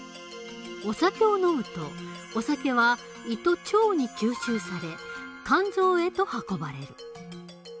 お酒を飲むとお酒は胃と腸に吸収され肝臓へと運ばれる。